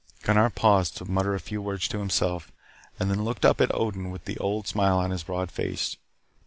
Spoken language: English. Gunnar paused to mutter a few words to himself and then looked up at Odin with the old smile on his broad face.